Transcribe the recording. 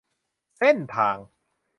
เส้นทาง